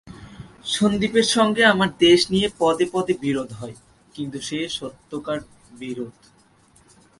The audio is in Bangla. সন্দীপের সঙ্গে আমার দেশ নিয়ে পদে পদে বিরোধ হয়, কিন্তু সে সত্যকার বিরোধ।